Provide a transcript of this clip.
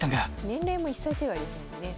年齢も１歳違いですもんね。